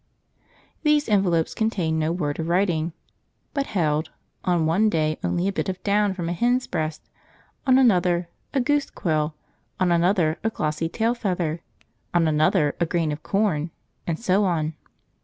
These envelopes contained no word of writing, but held, on one day, only a bit of down from a hen's breast, on another, a goose quill, on another, a glossy tail feather, on another, a grain of corn, and so on.